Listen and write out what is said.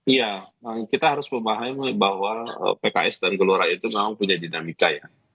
iya kita harus memahami bahwa pks dan gelora itu memang punya dinamika ya